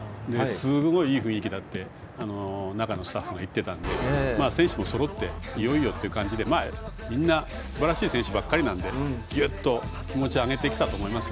すごい、いい雰囲気だって中のスタッフが言っていたので選手もそろっていよいよという感じでみんなすばらしい選手ばかりなのでギュッと気持ちを上げてきたと思います。